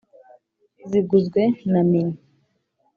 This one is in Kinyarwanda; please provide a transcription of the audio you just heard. Ziguzwe na Mini